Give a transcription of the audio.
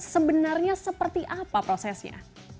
sebenarnya seperti apa prosesnya